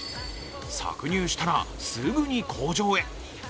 搾乳したら、すぐに工場へ。